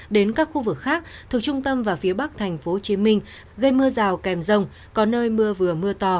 đến các khu vực khác thuộc trung tâm và phía bắc tp hcm gây mưa rào kèm rông có nơi mưa vừa mưa to